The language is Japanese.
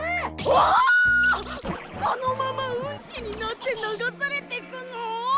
このままウンチになって流されていくの？